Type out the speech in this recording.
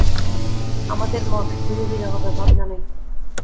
আমাদের মঠ ধীরে ধীরে হবে, ভাবনা নাই।